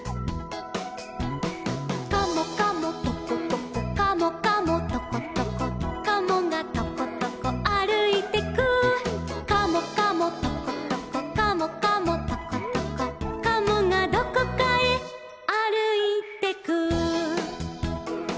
「カモカモトコトコカモカモトコトコ」「カモがトコトコあるいてく」「カモカモトコトコカモカモトコトコ」「カモがどこかへあるいてく」